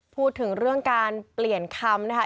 พูดถึงเรื่องการเปลี่ยนคำนะคะ